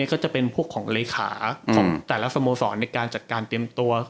ก็จะเป็นพวกของเลขาของแต่ละสโมสรในการจัดการเตรียมตัว